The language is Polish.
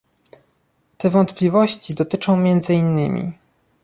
Te wątpliwości dotyczą między innymi